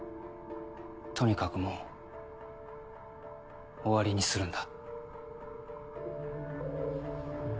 とにかくもう終わりにするんだ。